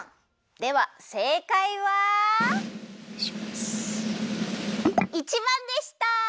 ではせいかいは１ばんでした！